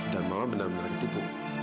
dan mama benar benar ketipu